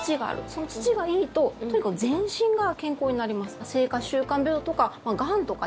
その土がいいと全身が健康になります。